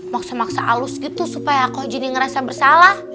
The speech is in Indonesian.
maksa maksa alus gitu supaya aku jadi ngerasa bersalah